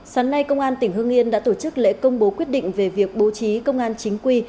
sáng nay công an tỉnh hương yên đã tổ chức lễ công bố quyết định về việc bố trí công an chính quy